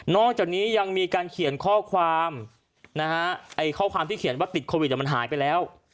จากนี้ยังมีการเขียนข้อความนะฮะไอ้ข้อความที่เขียนว่าติดโควิดมันหายไปแล้ว